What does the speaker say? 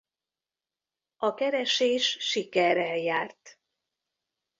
A keresés sikerrel járt.